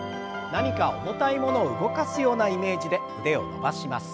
何か重たいものを動かすようなイメージで腕を伸ばします。